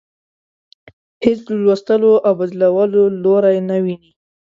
هیڅ د لوستلو او بدلولو لوری نه ويني.